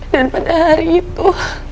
dan pada hari itu